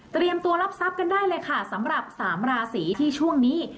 ตัวรับทรัพย์กันได้เลยค่ะสำหรับสามราศีที่ช่วงนี้